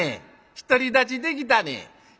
独り立ちできたね。